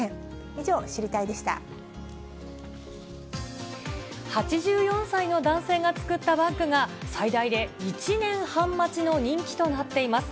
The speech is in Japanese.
以上、８４歳の男性が作ったバッグが、最大で１年半待ちの人気となっています。